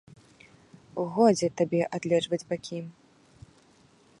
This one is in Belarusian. Годзе табе адлежваць бакі!